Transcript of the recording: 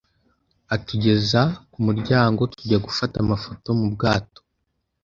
atugeza ku muryango tujya gufata amafoto mu bwato